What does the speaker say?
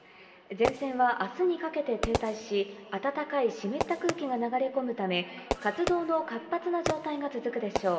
前線はあすにかけて停滞し、暖かい湿った空気が流れ込むため、活動の活発な状態が続くでしょう。